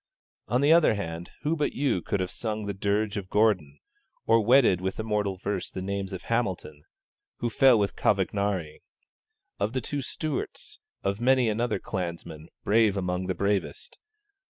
On the other hand, who but you could have sung the dirge of Gordon, or wedded with immortal verse the names of Hamilton (who fell with Cavagnari), of the two Stewarts, of many another clansman, brave among the bravest!